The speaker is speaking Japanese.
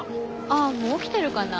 あもう起きてるかな？